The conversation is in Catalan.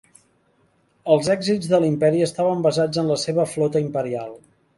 Els èxits de l'imperi estaven basats en la seva flota imperial.